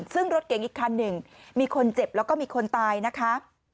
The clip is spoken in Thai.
ซึ่งรถเก่งอีกคันหนึ่งมีคนเจ็บแล้วก็มีคนตายนะคะ